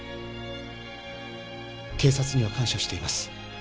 警察には感謝しています。